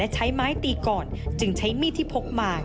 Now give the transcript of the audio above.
ใช้ไม้ตีก่อนจึงใช้มีดที่พกมา